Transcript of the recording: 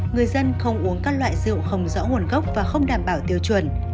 người dân không uống các loại rượu không rõ nguồn gốc và không đảm bảo tiêu chuẩn